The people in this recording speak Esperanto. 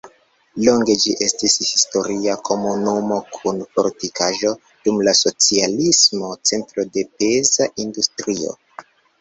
Longe ĝi estis historia komunumo kun fortikaĵo, dum la socialismo centro de peza industrio.